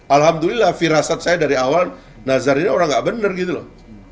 alhamdulillah firasat saya dari awal nazar ini orang nggak bener gitu loh